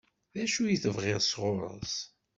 D acu i tebɣiḍ sɣur-s?